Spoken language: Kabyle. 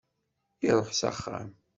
Iruḥ s axxam.